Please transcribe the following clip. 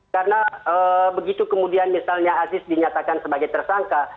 karena begitu kemudian misalnya aziz dinyatakan sebagai tersangka